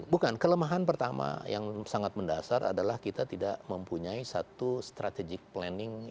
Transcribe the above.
bukan kelemahan pertama yang sangat mendasar adalah kita tidak mempunyai satu strategic planning